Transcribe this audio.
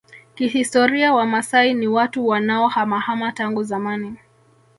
Kihistoria Wamaasai ni watu wanaohamahama tangu zamani